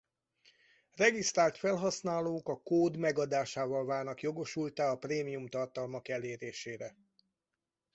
Regisztrált felhasználók a kód megadásával válnak jogosulttá a prémium tartalmak elérésére.